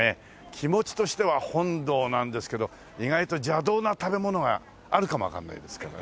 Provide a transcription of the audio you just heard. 気持ちとしては本道なんですけど意外と邪道な食べ物があるかもわかんないですけどね。